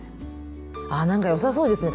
あなんかよさそうですね